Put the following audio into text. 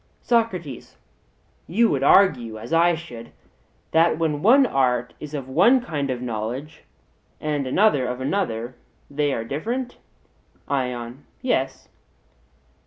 SOCRATES: You would argue, as I should, that when one art is of one kind of knowledge and another of another, they are different? ION: Yes.